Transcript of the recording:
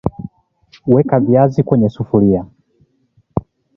Weka viazi kwenye sufuria